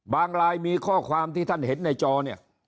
ไลน์มีข้อความที่ท่านเห็นในจอเนี่ย